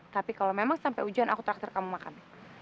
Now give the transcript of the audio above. tapi kalau memang sampai hujan aku traktir kamu makan